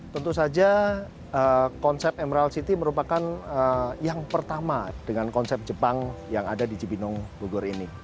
tentu saja konsep emerald city merupakan yang pertama dengan konsep jepang yang ada di cibinong bogor ini